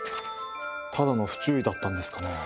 ただの不注意だったんですかね。